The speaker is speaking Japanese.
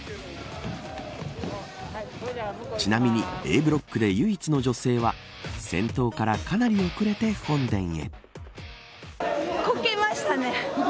ちなみにＡブロックで唯一の女性は先頭から、かなり遅れて本殿へ。